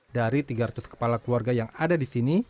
dari tiga ratus kepala keluarga yang ada di sini